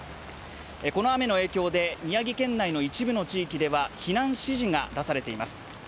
この雨の影響で宮城県内の一部の地域では避難指示が出されています。